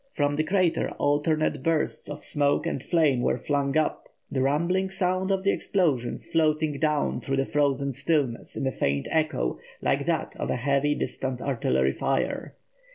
From the crater alternate bursts of smoke and flame were flung up, the rumbling sound of the explosions floating down through the frozen stillness in a faint echo like that of heavy distant artillery fire.